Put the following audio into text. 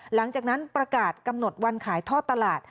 หลังจากนั้นประกาศกำหนดวันขายท่อตลาด